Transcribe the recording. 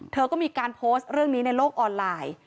เธอก็มีการโพสต์เรื่องนี้ในโลกออนไลน์